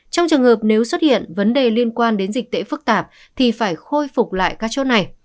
trong trường hợp nếu xuất hiện vấn đề liên quan đến dịch tễ phức tạp thì phải khôi phục lại các chốt này